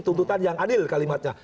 tuntutan yang adil kalimatnya